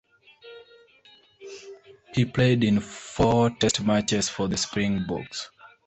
He played in four test matches for the Springboks.